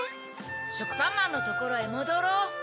しょくぱんまんのところへもどろう。